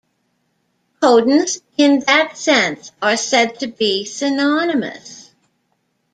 Codons in that sense are said to be synonymous.